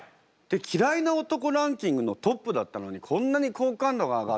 嫌いな男ランキングのトップだったのにこんなに好感度が上がった。